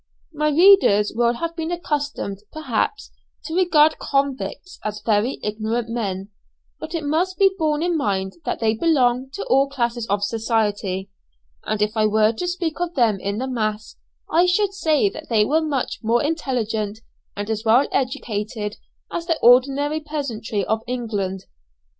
My readers will have been accustomed, perhaps, to regard convicts as very ignorant men, but it must be borne in mind that they belong to all classes of society, and if I were to speak of them in the mass, I should say that they were much more intelligent and as well educated as the ordinary peasantry of England.